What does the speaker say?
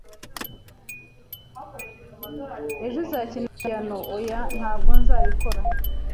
"Ejo uzakina piyano?" "Oya, ntabwo nzabikora."